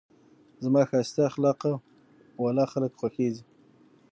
زما ښایسته اخلاقو واله خلک خوښېږي.